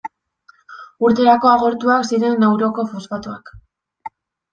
Urterako agortuak ziren Nauruko fosfatoak.